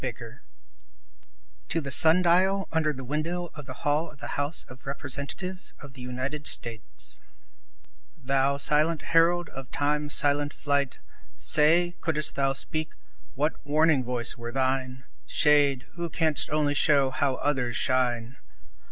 Y Z To The Sun Dial UNDER the Window of the Hall of the House of Representatives of the United States Thou silent herald of Time's silent flight! Say, could'st thou speak, what warning voice were thine? Shade, who canst only show how others shine!